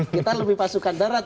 kita lebih pasukan darat